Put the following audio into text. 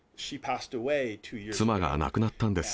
妻が亡くなったんです。